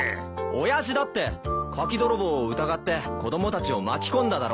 親父だって柿泥棒を疑って子供たちを巻き込んだだろ。